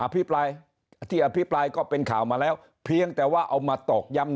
ที่อภิปรายก็เป็นข่าวมาแล้วเพียงแต่ว่าเอามาตอกย้ำ